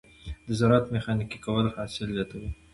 د زراعت ميخانیکي کول حاصل زیاتوي.